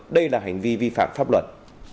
đây là hành vi vi phạt pháp luật